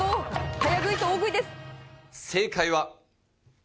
早食いと大食いです。